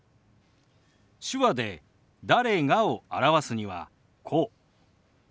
手話で「誰が」を表すにはこう。